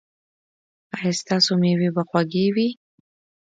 ایا ستاسو میوې به خوږې وي؟